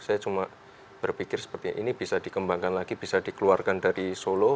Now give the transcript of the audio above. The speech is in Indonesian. saya cuma berpikir seperti ini bisa dikembangkan lagi bisa dikeluarkan dari solo